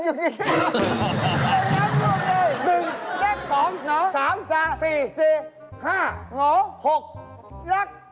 นี่คือแขกทางที่จะเอาอยู่ดี